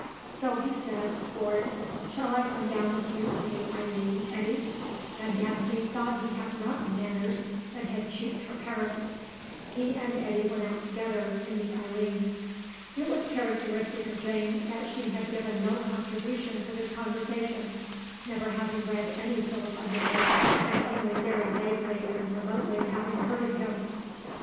So he said, bored, "Shall I come down with you to meet Eileen, Eddy?" and Daphne thought he had rotten manners and had cheeked her parents. He and Eddy went out together, to meet Eileen. It was characteristic of Jane that she had given no contribution to this conversation, never having read any Philip Underwood, and only very vaguely and remotely having heard of him.